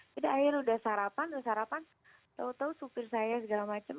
jadi akhirnya udah sarapan udah sarapan tau tau supir saya segala macam